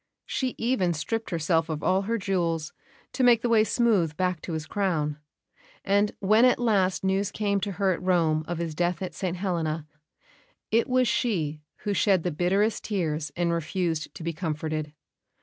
She even stripped herself of all her jewels to make the way smooth back to his crown. And when at last news came to her at Rome of his death at St Helena it was she who shed the bitterest tears and refused to be comforted.